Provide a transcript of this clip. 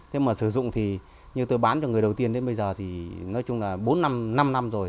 thế mà sử dụng thì như tôi bán cho người đầu tiên đến bây giờ thì nói chung là bốn năm năm rồi